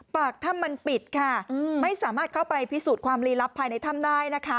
ปากถ้ำมันปิดค่ะไม่สามารถเข้าไปพิสูจน์ความลีลับภายในถ้ำได้นะคะ